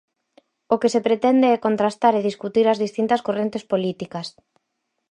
O que se pretende é contrastar e discutir as distintas correntes políticas.